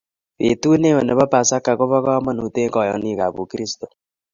Betut neo nebo Pasaka kobo komonut eng kayaniikab Ukristo.